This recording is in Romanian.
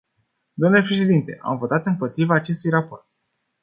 Domnule președinte, am votat împotriva acestui raport.